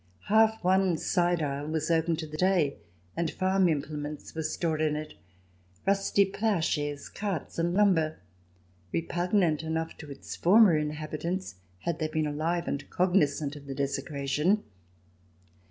Half one side aisle was open to the day, and farm CH. VI] BEER GARDENS 73 implements were stored in it — rusty ploughshares, carts, and lumber — repugnant enough to its former inhabitants had they been alive and cognizant of the desecration.